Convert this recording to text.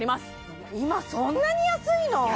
今そんなに安いの？